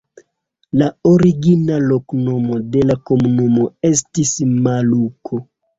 La origina loknomo de la komunumo estis Maluko.